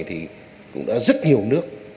thì cũng đã rất nhiều nước